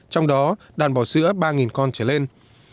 trong đó đàn bò sữa ba con trở lên